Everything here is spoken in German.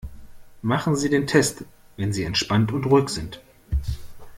Machen Sie den Test, wenn sie entspannt und ruhig sind.